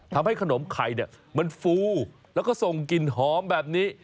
ทำให้ขนมไข่เนี่ยมันฟูแล้วก็ส่งกลิ่นหอมแบบนี้